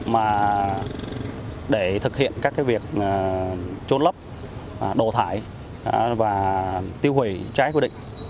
mà để thực hiện các việc trôn lấp đổ thải và tiêu hủy trái quy định